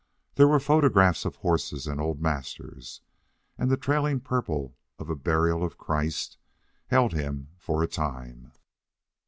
There were photographs of horses and of old masters, and the trailing purple of a Burial of Christ held him for a time.